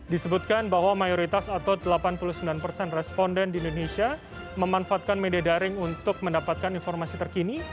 disebutkan bahwa mayoritas atau delapan puluh sembilan persen responden di indonesia memanfaatkan media daring untuk mendapatkan informasi terkini